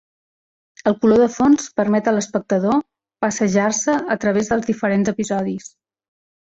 El color de fons permet a l'espectador passejar-se a través dels diferents episodis.